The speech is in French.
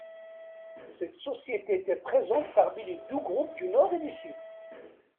Cette société était présente parmi les deux groupes du Nord et du Sud.